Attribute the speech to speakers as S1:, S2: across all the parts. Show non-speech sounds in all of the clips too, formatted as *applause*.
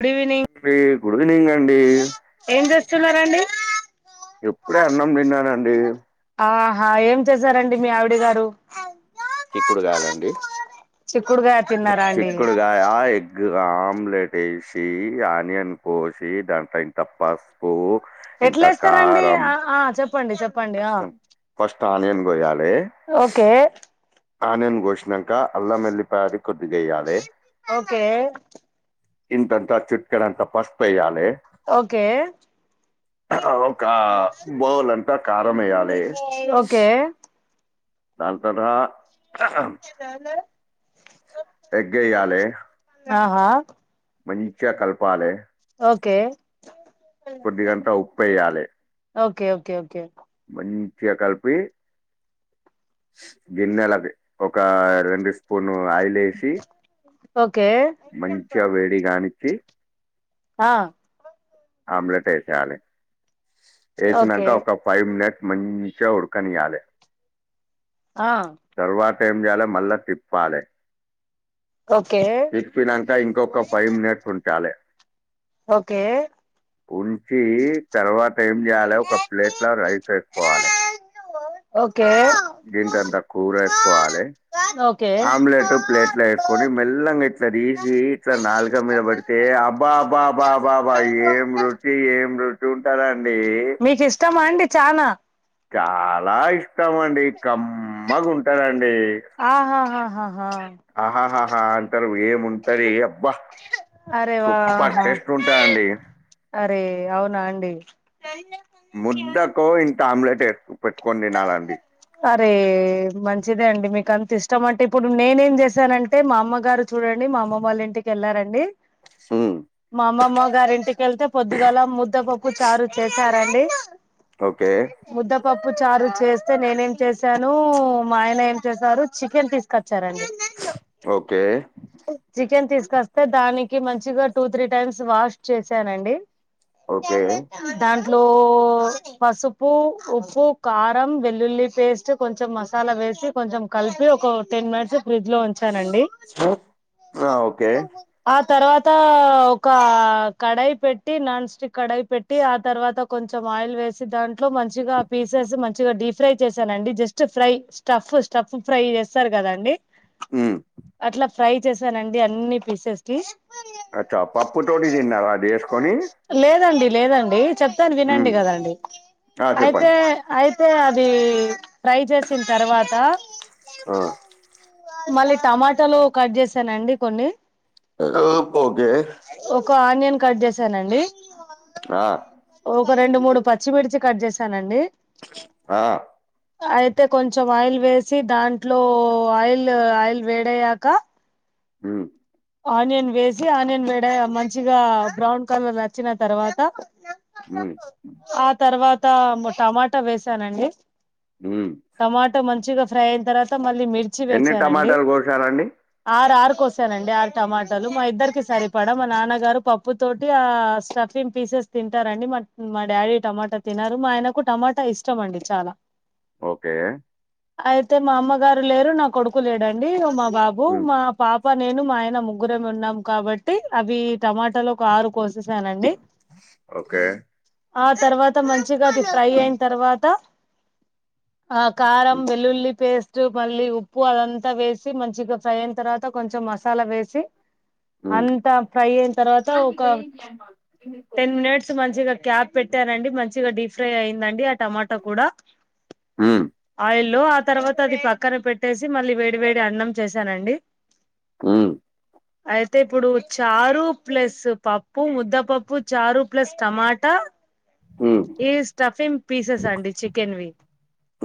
S1: Good evening
S2: పి good evening అండి.
S1: ఏం చేస్తున్నారండి.
S2: ఇప్పుడే అన్నం తిన్నానండి.
S1: ఆహా ఏం చేశారండి మీ ఆవిడ గారు.
S2: చిక్కుడుగాయలండి
S1: చిక్కుడుగాయ తిన్నారా అండి.
S2: చిక్కుడుగాయ ఎగ్ ఆమ్లెట్ వేసి ఆనియన్ కోసి దాని టైం తప్పస్.
S1: ఎట్లేస్తారండి ఆ ఆ చెప్పండి చెప్పండి ఆ.
S2: ఫస్ట్ ఆనియన్ కోయాలి.
S1: ఓకే.
S2: ఆనియన్ గోశినాక అల్లం వెల్లిపాయది కొద్దిగా వెయ్యాలే.
S1: ఓకే.
S2: ఇంతంతా చుట్కడంతా పసుపేయాలె.
S1: ఓకే.
S2: ఒక బోలంతా కారం ఏయాలె.
S1: ఓకే
S2: దాంట్లో రా.
S1: జాదా.
S2: ఎగ్గేయాలే.
S1: ఆహా.
S2: మంచిగ కల్పాలె.
S1: ఓకే.
S2: కొద్ది గంట ఉప్పెయ్యాలే.
S1: Okay okay okay.
S2: మంచిగ కల్పి. గిన్నెలది ఒక రెండు స్పూను ఆయిల్ ఎసి.
S1: ఓకే.
S2: మంచిగా వేడిగానిచ్చి.
S1: ఆ.
S2: ఆమ్లెట్ వేసేయాలే
S1: ఓకే
S2: వేసినాక ఒక. ఫైవ్ మనిట్ మంచిగ ఉడకనియ్యాలే.
S1: ఆ.
S2: తర్వాత ఏం చేయాలేమళ్ళా తిప్పాలే.
S1: ఓకే
S2: తిప్పి నాక ఇంకొక ఫైవ్ మినిట్స్ ఉడకాలే.
S1: ఓకే.
S2: ఉంచి తర్వాత ఏం చేయాలే ఒక ప్లేట్లో రైస్ వేసుకోవాలే.
S1: ఓకే.
S2: గెంటెంత కూర ఏసుకోవాలే
S1: ఓకే
S2: ఆమ్లెట్. ప్లేట్లా వేసుకొని మెల్లంగా ఇట్లా తీసి ఇట్లా నాలుగ మీద పడితే అబ్బా బా బా బాబా. ఏం రోటి ఏం రుటి ఉంటదండి.
S1: మీచిష్టమా అండి చానా.
S2: చాలా ఇష్టం అండి కమ్మగా ఉంటాదండి
S1: ఆహాహాహాహా
S2: ఆహాహహా అంటరు ఏముంటది ఆబ్బా
S1: అరే
S2: సూపర్
S1: వాహా
S2: టేస్ట్ ఉంటాయి అండి
S1: అరే అవునా అండి
S2: ముద్దకు ఇంత ఆమ్లెట్ వే పెట్టుకొని తినాలండి
S1: అరే మంచిదే అండి మీకు అంత ఇష్టం అంటే ఇప్పుడు నేనేం చేశానంటే మా అమ్మగారు చూడండి మా అమ్మ వాళ్ళ ఇంటికి వెళ్ళారండి
S2: హ్మ్.
S1: మా అమ్మమ్మ గారి ఇంటికెళ్తే పొద్దుగాల ముద్ద పప్పు పు చారు చేసారండి
S2: ఓకే
S1: ముద్దా పప్పుచారు చేస్తే నేనేం చేశాను మా ఆయన ఏం చేసారు చికెన్ తీస్కొచ్చారండి
S2: ఓకే
S1: చికెన్ తీసుకొస్తే దానికి మంచిగా టూ త్రీ టైమ్స్ వాష్ చేశానండి
S2: ఓకే
S1: దాంట్లో పసుపు ఉప్పు కారం వెల్లుల్లి పేస్ట్ కొంచెం మసాలా వేసి కొంచెం కలిపి ఒక టెన్ మినిట్స్ ఫ్రిజ్లో ఉంచానండి
S2: హా ఓకే
S1: ఆ తర్వాత ఒక కడాయి పెట్టి నాన్ స్టిక్ కడాయి పెట్టి ఆ తర్వాత కొంచెం ఆయిల్ వేసి దాంట్లో మంచిగా పీసెస్ మంచిగా డీప్ ఫ్రై చేశానండి just fry stuff stuff fry చేస్తారు కదండి
S2: హ్మ్.
S1: అట్లా ఫ్రై చేశానండి అన్ని పీసెస్కి
S2: అచ్చా పప్పుతోటి తిన్నారా అది ఎస్కొని
S1: లేదండి లేదండి చెప్తాను వినండి
S2: హ్మ్.
S1: కదండి
S2: ఆ! చెప్పండి.
S1: అయితే అయితే అది ఫ్రై చేసిన తర్వాత
S2: ఆ
S1: మళ్ళీ టమాటాలు కట్ చేసానండి కొన్ని
S2: ఓకే
S1: ఒక ఆనియన్ కట్ చేసానండి
S2: ఆ
S1: ఒక రెండు మూడు పచ్చిమిర్చి కట్ చేసానండి
S2: ఆ
S1: అయితే కొంచెం ఆయిల్ వేసి దాంట్లో ఆయిల్ ఆయిల్ వేడైయ్యాక
S2: హ
S1: ఆనియన్ వేసి ఆనియన్ వేడే మంచిగా బ్రౌన్ కలర్ వచ్చిన తర్వాత
S2: మ్మ్
S1: ఆ తర్వాత టమాటా వేసానండి
S2: హ
S1: టమాటో మంచిగా ఫ్రై అయిన తర్వాత మళ్ళీ మిర్చి
S2: ఎన్ని
S1: వేసానండి
S2: టమాటాలు కోశారండి
S1: ఆరు ఆరు కొసనండి ఆరు టమాటలు మా ఇద్దరికి సరిపడా మా నాన్నగారు పప్పుతోటి ఆ స్టఫింగ్ పీసెస్ తింటారండి మా మా డాడీ టమాటా తినరు మా ఆయనకు టమాటా ఇష్టం అండి చాలా
S2: ఓకే
S1: అయితే మా అమ్మగారు లేరు నా కొడుకు లేడండి మా బాబు
S2: మ్మ్
S1: మా పాప్ ప నేను మా ఆయన ముగ్గురేం ఉన్నాం కాబట్టి అవి టమాటాలో ఒక ఆరు కోస్ చూసానండి
S2: ఓకే
S1: ఆ తర్వాత మంచిగా అది ఫ్రై అయిన తర్వాత ఆ కారం వెళ్లుల్లి పేస్ట్ మళ్ళీ ఉప్పు అదంతా వేసి మంచిగా ఫ్రై అయిన తర్వాత కొంచెం మసాలా వేసి
S2: మ్మ్
S1: అంతా ఫ్రై అయిన తర్వాత ఒక టెన్ మినిట్స్ మంచిగా గ్యాప్ పెట్టానండి మంచిగా డీఫ్రై అయిందండి ఆ టమాటా కూడా
S2: మ్మ్
S1: ఆయిల్ల్లో ఆ తర్వాత అది పక్కన పెట్టేసి మళ్ళీ వేడి వేడి అన్నం చేశానండి
S2: ఉ
S1: అయితే ఇప్పుడు చారు ప్లస్ పప్పు ముద్దపప్పు చారు ప్లస్ టమాటా
S2: మ్మ్
S1: ఈ స్టఫింగ్ పీసెస్ అండి చికెన్వి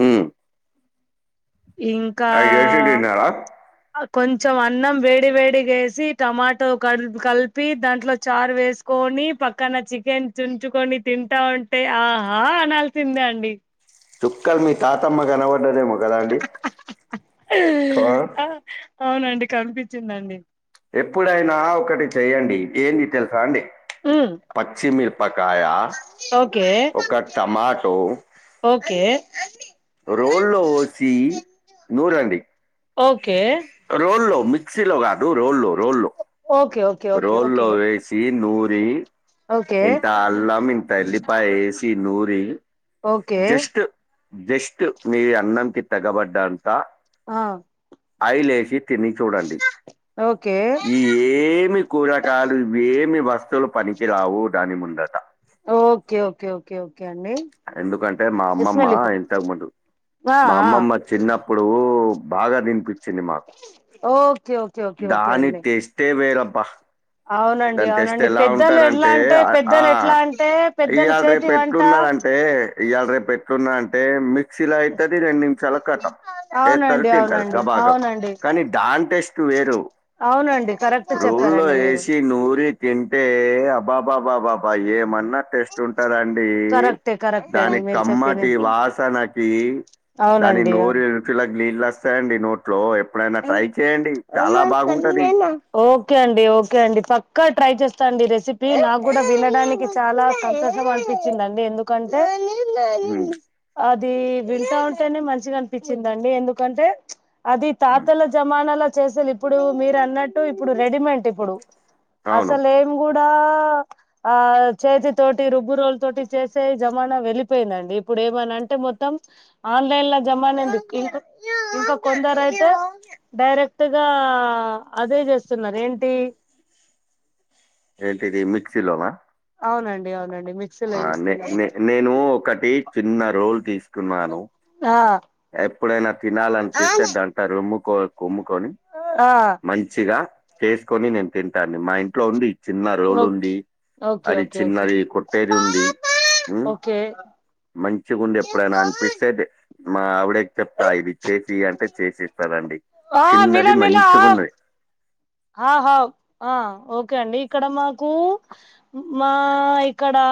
S2: మ్మ్
S1: ఇంకా
S2: అవి చేసి తిన్నారా
S1: కొంచెం అన్నం వేడి వేడిగేసి టమాటో కలిపి దాంట్లో చారు వేసి కొని పక్కన చికెన్ చుంచుకొని తింటా ఉంటే ఆహా అనాల్సిందే అండి
S2: చుక్కలు మీ తాతమ్మ గనబడ్డదేమో కదండి
S1: ఆ అవునండి కనిపించిందండి
S2: ఎప్పుడైనా ఒకటి చేయండి ఏంది తెలుసాండి
S1: మ్
S2: పచ్చిమిరపకాయ
S1: ఓకే
S2: ఒక టమాటో
S1: ఓకే
S2: రోల్లో వేసి నురండి
S1: ఓకే
S2: రోల్లో మిక్సీలో కాదు రోల్లో రోల్లో
S1: ఓకే ఓకే ఓకే ఓకే
S2: రోల్లో వేసి ఏసి నూరి
S1: ఓకే ఓకే
S2: ఇంత అల్లం ఇంత ఎల్లిపాయ ఏసి నూరి జస్ట్ జస్ట్ మీ అన్నంకి తగబడ్డంత
S1: ఆ
S2: ఆయిల్ ఏసి తిని చూడండి
S1: ఓకే
S2: ఈ ఏమి కూరగాయలు ఏమి వస్తువులు పనికిరావు దాని ముందట
S1: ఓకే ఓకే ఓకే ఓకే అండి
S2: ఎందుకంటే మా అమ్మమ్మ
S1: ఇస్మాయిల్ లిఖో
S2: ఇంతకు ముందు
S1: ఆ
S2: మా
S1: ఆ
S2: అమ్మమ్మ చిన్నప్పుడు బాగా తినిపించింది మాకు
S1: ఓకే ఓకే ఓకే ఓకే
S2: దాని
S1: అండి
S2: టేస్ట్ తే వేరప్పా
S1: అవునండి
S2: దాని తెస్తే
S1: అవునండి
S2: ఎలా
S1: పెద్దలు ఎట్లా
S2: ఉంటారంటే
S1: అంటే
S2: ఆ
S1: పెద్దలు ఎట్లా అంటే పెద్దల
S2: ఇయ్యాళ
S1: చేతి
S2: రేపు
S1: వంట
S2: ఎట్లున్నరంటే అంటే ఇవాళ రేపు ఎట్లున్నా అంటే మిక్ మిక్సీలా అయితది రెండు నిమిషాల కతం ఏస్తారు
S1: అవునండి
S2: తింటారు
S1: అవునండి
S2: గబాగబ
S1: అవునండి
S2: కానీ దా వేరు
S1: అవునండి కరెక్ట్
S2: రోల్లో
S1: చెప్పారండి మీరు
S2: ఏసీ నూరి తింటే బాబాబా బాబా ఏమన్నా టెస్ట్ ఉంటాదండి
S1: కరెక్టే కరెక్టే
S2: దాని
S1: అండి మీరు చెప్పింది
S2: కమ్మటి వాసనకి దాని
S1: అవునండి
S2: నోరు రుచులకి నీళ్లు వస్తాయండి నోట్లో ఎప్పుడైనా ట్రై చేయండి చాలా బాగుంటది
S1: ఓకే అండి ఓకే అండి పక్కా ట్రై చేస్తాండి రెసిపీ నా కూడా వినడానికి చాలా సంతోషం అనిపించిందండి ఎందుకంటే
S2: హ్మ్.
S1: అది వింటా ఉంటనే మంచిగా అనిపించిందండి ఎందుకంటే అది
S2: హ్మ్.
S1: తాతల జమానాలా చేసేది ఇప్పుడు మీరు అన్నట్టు ఇప్పుడు రెడీమెంట్ ఇప్పుడు
S2: అవును.
S1: అసలే ఏం కూడా ఆ చేతి తోటి రుబ్బు రోలు తోటి చేసే జమానా వెళ్ళిపోయిందండి ఇప్పుడు ఏమనంటే మొత్తం ఆన్లైన్ ల జమానేందుక్ ఇంక ఇంకా కొందరైత్ తె డైరెక్ట్ గా అదే చేస్తున్నరు ఏంటి
S2: ఏంటిది మిక్సీలోనా
S1: అవునండి అవునండి మిక్
S2: ఆ నే నే నేను ఒక్కటి చిన్న రోల్ తీసుకున్నాను
S1: ఆ
S2: ఎప్పుడైనా తినాలనిపిస్తే దంట రుమ్ముకో కుమ్ముకొని
S1: ఆ
S2: మంచిగ చేసుకొని నేను తింటా అండి మా ఇంట్లో ఉంది చిన్న
S1: ఓకే
S2: రోలుంది
S1: ఓకే
S2: అది
S1: ఓకే ఓకే
S2: చిన్నది కొట్టేది ఉంది
S1: ఓకే
S2: మంచిగుంది ఎప్పుడైనా అనిపిస్తే డె మా ఆవిడకి చెప్తా ఇది చేసి అంటే చేసిస్తదండి
S1: ఆ
S2: చిన్నది మంచిగున్నది
S1: ఆహా ఆ ఓకే అండి ఇక్కడ మాకు మా ఇక్కడా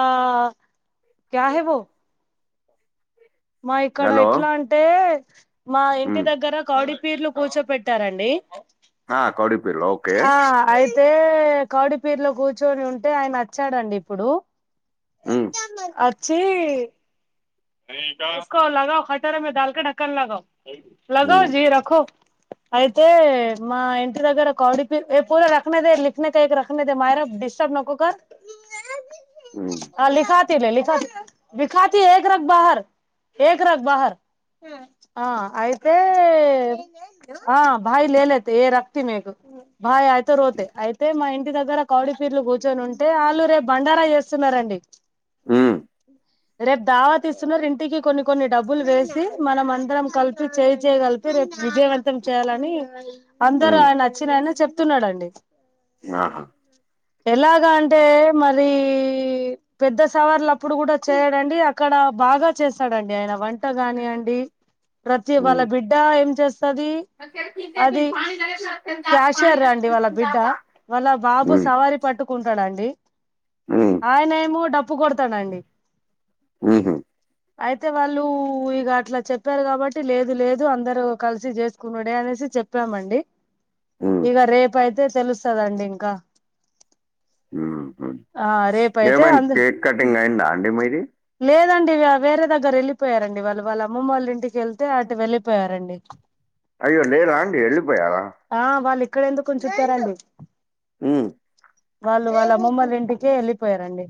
S1: మా ఇక్కడ
S2: హలో!
S1: ఎట్లా అంటే మా ఇంటి
S2: హ్మ్.
S1: దగ్గర కౌడి పీర్లు కూచోపెట్టారండి
S2: ఆ కౌడి ప్
S1: ఆ అయితే కోడి పీర్ల కూర్చొని ఉంటే ఆయన వచ్చాడండి ఇప్పుడు
S2: ఉమ్
S1: అచ్చి సుకో కతరా దాల క ఢక్కన గావు
S2: హ్మ్.
S1: జీ రో అయితే మా ఇంటి దగ్గర కౌడి పిర్ మాయరా డిస్టర్బ నకో క
S2: ఉమ్
S1: లిఖా తీలేా విఖాత రగ బహ ఎ రగ బహర్ ఆ అయితే అయితే మా ఇంటి దగ్గర కౌడి పీర్లు కూర్చొని ఉంటే వాళ్ళు రేపు బండారా చేస్ స్తున్నరండి
S2: ఉమ్
S1: రెప్ దావత్ తిస్తున్నరు ఇంటికి కొన్ని కొన్ని డబ్బులు వేసి మనం అందరం కలిపి చేయి చేయి గలిపి పి రేపు విజయవంతం చేయాలని అందరూ
S2: హ్మ్.
S1: ఆయనచ్చినాయన చెప్తున్నడండి
S2: ఆహా
S1: ఎలాగ అంటే మరీ పెద్ద సవార్లప్పుడు కూడ చేయడండి అక్కడ బాగ చేస్తాడండి ఆయన వంట గానియండి ప్రతి వాళ్ళ
S2: హ్మ్.
S1: బిడ్డ ఏం చేస్తది అది క్యాషియర్ అండి వాళ్ళ బిడ్డ వాళ్ళ బాబు
S2: హ్మ్.
S1: సవారి పట్టుకు కుంటడండి
S2: హ్మ్.
S1: ఆయనేమో డప్పు కొడతడండి
S2: ఉమ్ హు
S1: అయితే వాళ్లూ ఇగ అట్ల చెప్పారు కాబట్టి లేదు లేదు అందరూ కలిసి చేసుకునుడే అనేసి చెప్ ప్పామండి
S2: ఉమ్,
S1: ఇగ రేపయితే తెలుస్తదండి ఇంకా ఆ రేపు అయితే
S2: ఏమైంది కేక్ కటింగ్ అయిందా అండి మీది
S1: లేదండిగ వేరే దగ్గర ఎళ్ళిపోయారండి వాళ్ళు వాళ్ళమ్మమ్మోల్ళ ఇంటి కెళ్తే అటు వెళ్ళిపోయారండి
S2: అయ్యో లేరా అండి ఎళ్ళిపోయారా
S1: ఆ వాళ్ళు ఇక్కడ ఎందుకుని చెప్పారండి
S2: ఉం
S1: వాళ్ళు వాళ్ళ అమ్మమ్మలు ఇంటికే వెళ్ళిపోయారండి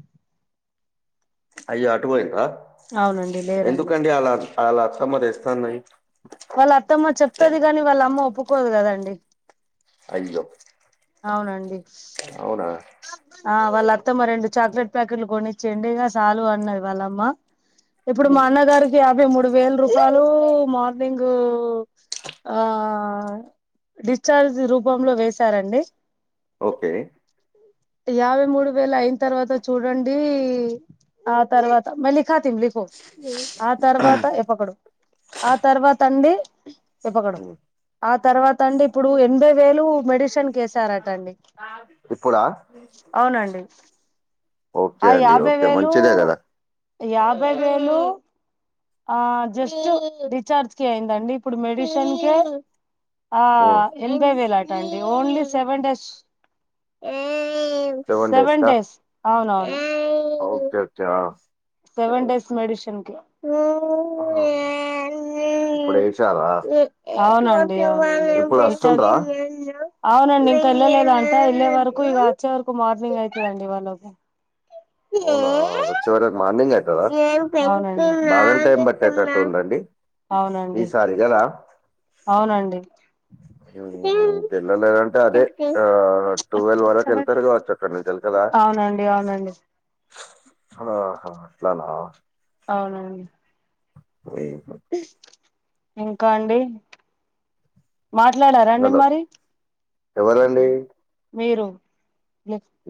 S2: అయ్యో అటు పోయిందా
S1: అవునండి లేరండి
S2: ఎందుకండి అల్ల అత్తమ్మ తెస్తా అన్నది
S1: వాళ్ళ అత్తమ్మ చెప్తది కాగాని వాళ్ళ అమ్మ ఒప్పుకోదు కదండి
S2: అయ్యో
S1: అవునండి
S2: అవునా
S1: ఆ వాళ్ళ అత్తమ్మ రెండు చాక్లెట్ ప్యాకెట్లు కొనిచ్చేయండి ఇక చాలు అన్నది వాళ్ళమ్మ ఇప్పుడు మా
S2: ఉమ్,
S1: అన్న గారి యాభై మూడు వేల రూపాయలు మార్నింగ్ ఆ డిశ్చార్జ్ రూపంలో వేసారండి
S2: ఓకే
S1: యాభై మూడు వేలు అయిన తర్వాత చూడండి ఆ తర్వాత మ లిఖాతిం లిఖో ఆ తర్వాత ఏ పకడో ఆ తర్వాత అండి ఏ పకడొ
S2: ఉమ్,
S1: ఆ తర్వాత అండి ఇప్పుడు ఎనభై వేలు మెడిషన్ కి వేసారటండి
S2: ఇప్పుడా
S1: అవునండి ఆ
S2: ఓకే అండి
S1: యాభై
S2: ఓకే
S1: వేలు
S2: మంచిదే కదా
S1: యాభై వేలు ఆ జస్ట్ డిస్చార్జ్ కి అయిందండి ఇప్పుడు మెడిస న్ కే ఆ ఎనబై వేలాట అండి only seven days seven days అవునవును
S2: okay okay
S1: seven days medicine కి
S2: ఆహ
S1: అవునండి అవునండి
S2: ఇప్పుడు
S1: డిస్చార్జ్
S2: వస్తుండ్రా
S1: అవునండి ఇంక వెళ్ళలేదంటా వెళ్ళే వరకు ఇక వచ్చే వరకు మార్నింగ్ అయితుందండి వాళ్ళకి
S2: అవునా వచ్చే వరకు మార్నింగ్ అవుతుందా బాగానే టైం
S1: అవునండి అవునండి
S2: సరిగాల *unintelligible*
S1: అవునండి
S2: ఉం ఇంకా వెళ్ల లేదంటే అదే ఆ టువెల్వ్ వరకు వెళ్తారు కావచ్చు అక్కడ నుంచి వెళ్తదా
S1: అవునండి అవునండి
S2: ఆహా అట్లానా
S1: అవునవును
S2: *unintelligible*
S1: ఇంకా అండి మాట్లాడారండి
S2: హలో
S1: మరి
S2: ఎవరండి
S1: మీరు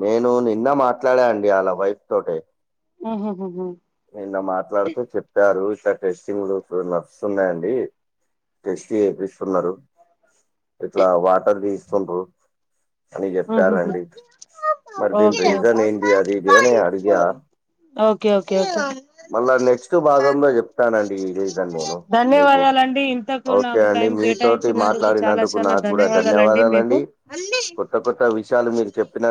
S2: నేను నిన్న మాట్లాడా అండి వాళ్ళ వైఫ్ తోటే.
S1: ఆహాహాహా
S2: నిన్న మాట్లాడుతూ చెప్పారు ఇలా టెస్టింగ్లు నడుస్తున్నాయండి టెస్ట్ చేపిస్తున్నారు ఇట్లా వాటర్ తీస్తుంట్రారు, అని
S1: ఆహాహా
S2: చెప్పరండి మరి దీని
S1: ఓకే
S2: రీజన్ ఏంటి అది ఇది అని అడిగా.
S1: ఒకే ఒకే ఒకే
S2: మళ్ళా నెక్స్ట్ బాగంలో చెప్తాను అండి ఇది దాన్ని నేను మీకు
S1: ధన్యవాదాలండి ఇంతకు
S2: ఓకే
S1: నాకు
S2: అండి
S1: టైం
S2: మీతోటి
S1: కేటాయించినందుకు చాలా
S2: మాట్లాడినందుకు
S1: చాలా
S2: నాకు కూడా
S1: ధన్యవాదాలండి
S2: ధన్యవాదాలు
S1: మీకు
S2: అండి కొత్త కొత్త విషాలు మీకు మీకు చెప్పినా